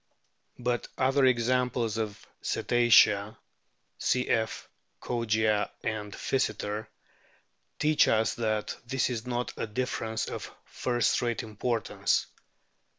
\But other examples among the Cetacea (cf. Kogia and Physeter) teach us that this is not a difference of first rate importance.